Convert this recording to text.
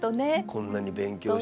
こんなに勉強して。